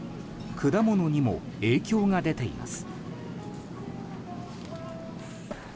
果物にも影響が出ています。